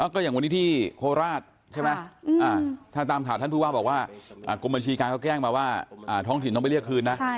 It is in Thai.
ก็อย่างวันนี้ที่โคราชใช่ไหมถ้าตามข่าวท่านผู้ว่าบอกว่ากรมบัญชีการเขาแจ้งมาว่าท้องถิ่นต้องไปเรียกคืนนะ